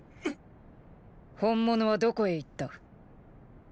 本物はどこへ行った。